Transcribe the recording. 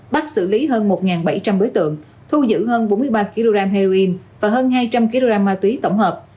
bắt xử lý hơn một bảy trăm linh đối tượng thu giữ hơn bốn mươi ba kg heroin và hơn hai trăm linh kg ma túy tổng hợp